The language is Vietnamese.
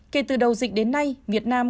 hai tình hình dịch covid một mươi chín tại việt nam